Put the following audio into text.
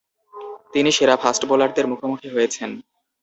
তিনি সেরা ফাস্ট বোলারদের মুখোমুখি হয়েছেন।